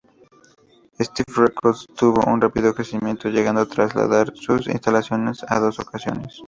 Stiff Records tuvo un rápido crecimiento, llegando a trasladar sus instalación en dos ocasiones.